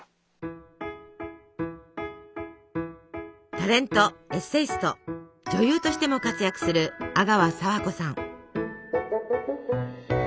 タレント・エッセイスト女優としても活躍する阿川佐和子さん。